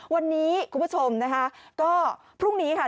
วันนี้คุณผู้ชมนะคะก็พรุ่งนี้ค่ะ